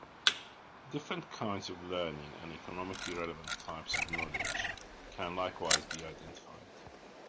Different kinds of learning and economically relevant types of knowledge can likewise be identified.